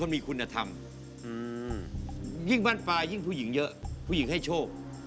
สุดท้ายยิ่งผู้หญิงเยอะผู้หญิงให้โชค